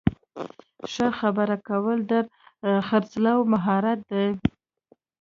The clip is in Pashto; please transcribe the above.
ښه خبرې کول د خرڅلاو مهارت دی.